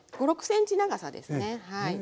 ５６ｃｍ長さですねはい。